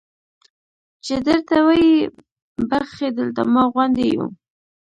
چې درته ویې بخښي دلته ما غوندې یو.